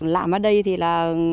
làm ở đây thì là